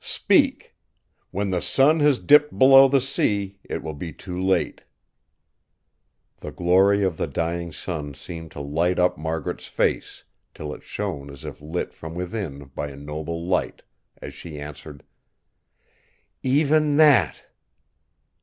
Speak! When the sun has dipped below the sea, it will be too late!" The glory of the dying sun seemed to light up Margaret's face, till it shone as if lit from within by a noble light, as she answered: "Even that!"